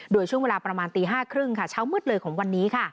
โดยช่วงเวลาประมาณตี๕๓๐เช้ามืดเลยของวันนี้